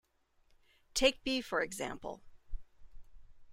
Take B for example.